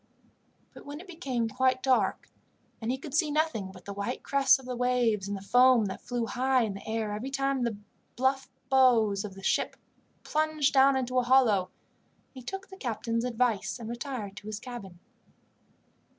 But when it became quite dark, and he could see nothing but the white crests of the waves and the foam that flew high in the air every time the bluff bows of the ship plunged down into a hollow, he took the captain's advice and retired to his cabin.